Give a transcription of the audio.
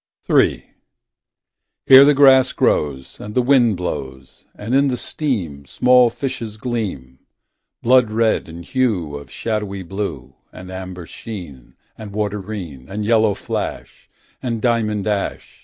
III. Here the grass grows Here the grass grows. And the wind blows . And in the stream. Small fishes gleam. Blood red and hue Of shadowy blue. And amber sheen. And water green. And yellow flash. And diamond ash.